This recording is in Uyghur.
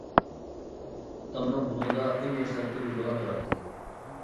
تامنىڭ بۇلۇڭىدا ئون ياشلاردىكى بىر بالا تۇراتتى.